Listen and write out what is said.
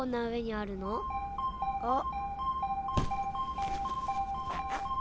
あっ。